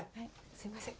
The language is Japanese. すいません